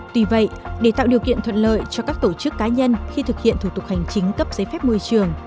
tuy vậy để tạo điều kiện thuận lợi cho các tổ chức cá nhân khi thực hiện thủ tục hành chính cấp giấy phép môi trường